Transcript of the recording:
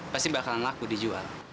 pasti bakalan laku dijual